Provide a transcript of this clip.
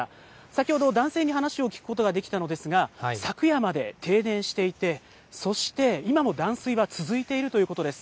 先ほど男性に話を聞くことができたのですが、昨夜まで、停電していて、そして今も断水は続いているということです。